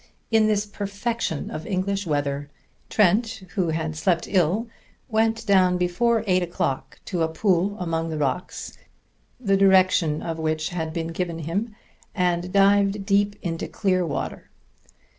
In this perfection of English weather, Trent, who had slept ill, went down before eight o'clock to a pool among the rocks, the direction of which had been given him, and dived deep into clear water.